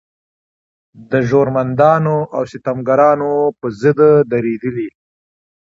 د زورمندانو او ستمګرانو په ضد درېدلې.